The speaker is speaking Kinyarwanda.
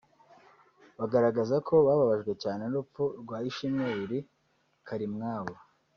bagaragaza ko babajwe cyane n’urupfu rwa Ishimwe Willy Karimwabo